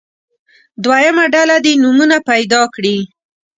دویمه ډله دې نومونه پیدا کړي.